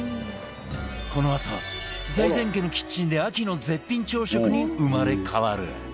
このあと財前家のキッチンで秋の絶品朝食に生まれ変わる